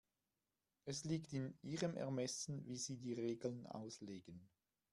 Es liegt in Ihrem Ermessen, wie Sie die Regeln auslegen.